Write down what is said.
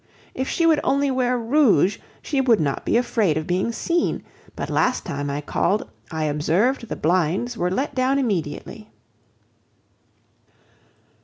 If she would only wear rouge she would not be afraid of being seen; but last time I called, I observed the blinds were let down immediately."